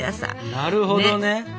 なるほどね。